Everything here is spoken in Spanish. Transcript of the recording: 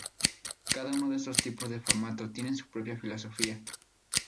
Cada uno de estos tipos de formato tienen su propia filosofía.